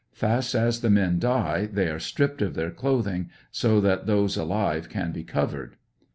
Fast as the men die they are stripped of their clothing so that those alive can be covered?